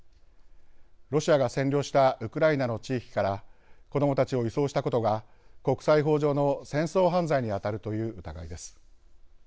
ロシアが占領したウクライナの地域から子どもたちを移送したことが国際法上の戦争犯罪に当たるという疑いです。